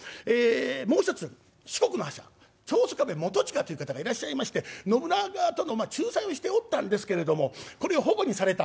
もう一つ四国の覇者長宗我部元親という方がいらっしゃいまして信長との仲裁をしておったんですけれどもこれを反故にされた。